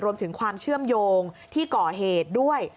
รวมถึงความเชื่อมโยงที่ก่อเหตุด้วย